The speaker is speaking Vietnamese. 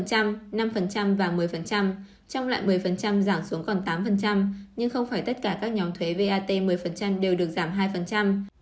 trong lại một mươi giảm xuống còn tám nhưng không phải tất cả các nhóm thuế vat một mươi đều được giảm hai